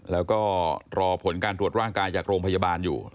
แล้วก็รอผลการตรวจร่างกายจากโรงพยาบาลอยู่